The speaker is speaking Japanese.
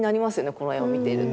この絵を見ていると。